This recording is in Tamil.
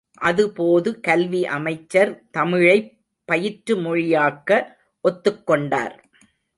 அதுபோது கல்வி அமைச்சர் தமிழைப் பயிற்றுமொழியாக்க ஒத்துக் கொண்டார்.